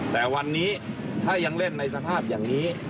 แต่วันนี้ถ้ายังเล่นในสภาพอย่างนี้